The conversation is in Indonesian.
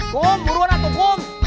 kom buruan atuh kom